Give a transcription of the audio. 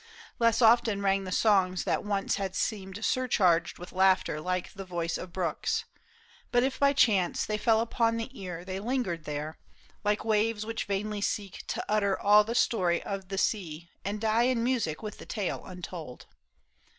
Less often rang the songs that once had seemed Surcharged with laughter like the voice of brooks ; But if by chance they fell upon the ear They lingered there, like waves which vainly seek To utter all the story of the sea And die in music with the tale untold.